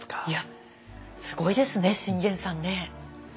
いやすごいですね信玄さんね。